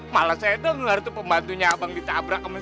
malah saya dengar tuh pembantunya abang ditabrak sama si dina